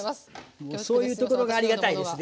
もうそういうところがありがたいですね。